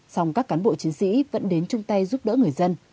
song các cán bộ chiến sĩ vẫn đến chung tay giúp đỡ người dân